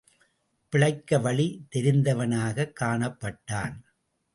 பிழைக்க வழி தெரிந்தவனாகக் காணப்பட்டான்.